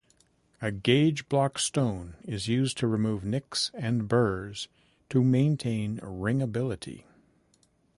A "gauge block stone" is used to remove nicks and burrs to maintain wringability.